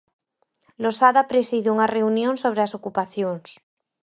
Losada preside unha reunión sobre as ocupacións.